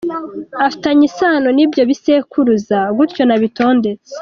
Afitanye isano n’ibyo bisekuru, gutyo nabitondetse.